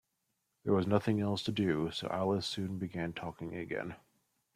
There was nothing else to do, so Alice soon began talking again.